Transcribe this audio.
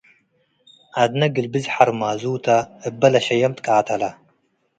ዐድነ ግልብዝ ሐርማዙታ - እበ ለሸየም ትቃተለ